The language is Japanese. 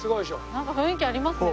なんか雰囲気ありますね